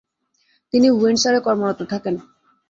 তিনি উইন্ডসরে কর্মরত থাকেন।